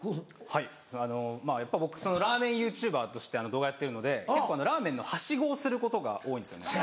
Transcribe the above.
はいやっぱ僕ラーメンＹｏｕＴｕｂｅｒとして動画やってるので結構ラーメンのはしごをすることが多いんですよね。